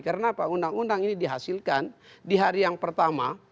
karena apa undang undang ini dihasilkan di hari yang pertama